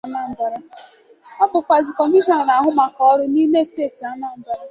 Ọ bụkwazị Kọmishọna na-ahụ maka ọrụ n'ime steeti Anambra